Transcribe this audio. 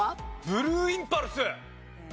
ブルーインパルス。